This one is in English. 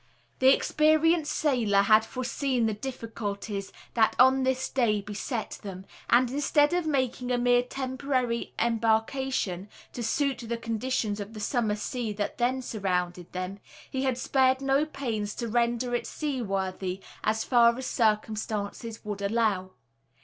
The experienced sailor had foreseen the difficulties that on this day beset them; and, instead of making a mere temporary embarkation, to suit the conditions of the summer sea that then surrounded them, he had spared no pains to render it seaworthy as far as circumstances would allow.